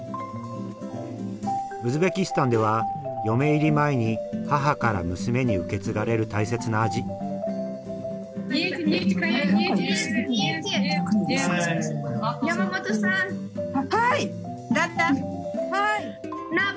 ウズベキスタンでは嫁入り前に母から娘に受け継がれる大切な味はい！